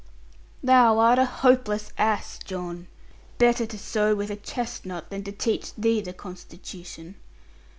'Thou art a hopeless ass, John. Better to sew with a chestnut than to teach thee the constitution.